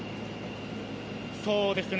そうですね。